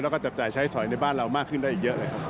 แล้วก็จับจ่ายใช้สอยในบ้านเรามากขึ้นได้เยอะเลยครับ